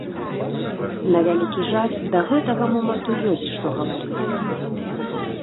На вялікі жаль, да гэтага моманту ёсць, што гаварыць.